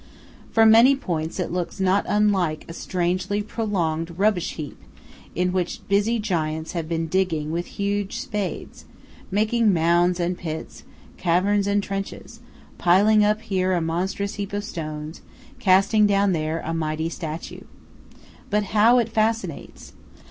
From many points it looks not unlike a strangely prolonged rubbish heap in which busy giants have been digging with huge spades, making mounds and pits, caverns and trenches, piling up here a monstrous heap of stones, casting down there a mighty statue. But how it fascinates!